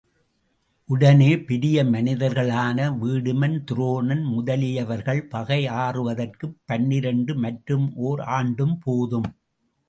உடனே பெரிய மனிதர்களான வீடுமன், துரோணன் முதலியவர்கள் பகை ஆறுவதற்குப் பன்னிரண்டும் மற்றும் ஒர் ஆண்டும் போதும்.